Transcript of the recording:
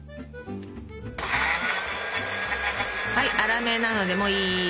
はい粗めなのでもういい。